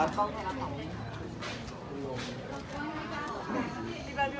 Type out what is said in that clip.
ขอบคุณครับ